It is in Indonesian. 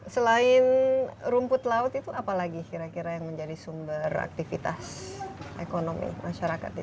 selain rumput laut itu apalagi kira kira yang menjadi sumber aktivitas ekonomi masyarakat ini